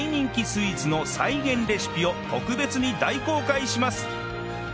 スイーツの再現レシピを特別に大公開します